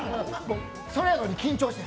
そやのに緊張して。